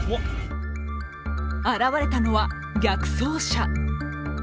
現れたのは、逆走車。